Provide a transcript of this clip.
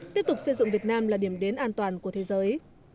tiếp tục xây dựng việt nam là điểm đến an toàn của thế giới